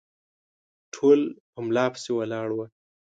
ټول په ملا پسې ولاړ وه